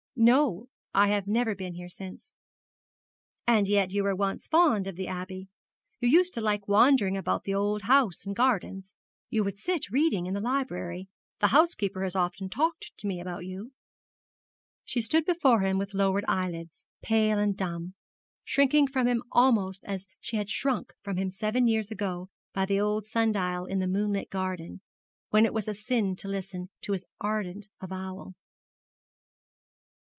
'No, I have never been here since.' 'And yet you were once fond of the Abbey. You used to like wandering about the old house and gardens. You would sit reading in the library. The housekeeper has often talked to me about you.' She stood before him with lowered eyelids, pale and dumb, shrinking from him almost as she had shrunk from him seven years ago by the old sundial in the moonlit garden, when it was a sin to listen to his ardent avowal.